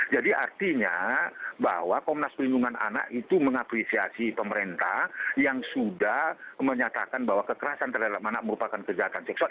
jadi artinya bahwa komnas pelindungan anak itu mengapresiasi pemerintah yang sudah menyatakan bahwa kekerasan terlelap anak merupakan kejahatan seksual